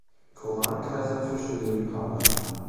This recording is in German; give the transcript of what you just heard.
Koran-Kaiserfische leben paarweise.